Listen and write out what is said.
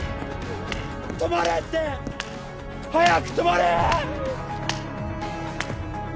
止まれって！早く止まれ！